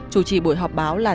chủ trì buổi họp báo là